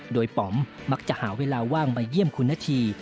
โดยป๋อมมักจะหาเวลาว่างมาเยี่ยมคุณนาธี